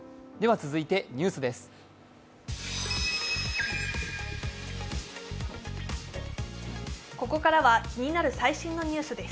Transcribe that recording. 続いてニュースです。